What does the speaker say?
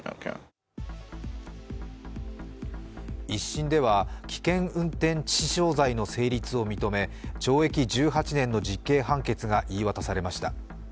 １審では危険運転致死傷罪の成立を認め懲役１８年の実刑判決が言い渡されました。